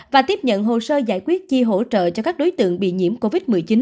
và tiếp nhận hồ sơ giải quyết chi hỗ trợ cho các đối tượng bị nhiễm covid một mươi chín